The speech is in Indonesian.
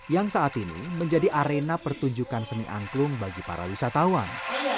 yang saat ini menjadi arena pertunjukan seni angklung bagi para wisatawan